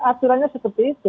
aturannya seperti itu